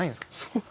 そう。